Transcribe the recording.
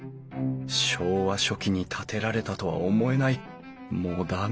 昭和初期に建てられたとは思えないモダンなデザインだな。